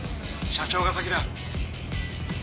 社長が先だ。